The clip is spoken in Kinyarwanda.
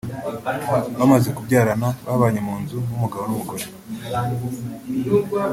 Bamaze kubyarana babanye mu nzu nk’umugabo n’umugore